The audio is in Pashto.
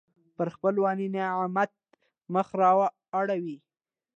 پر خپل ولینعمت مخ را اړوي.